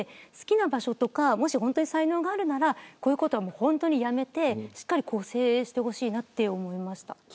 好きな場所とか本当に才能があるならこういうことはやめてしっかり更生してほしいと思いました。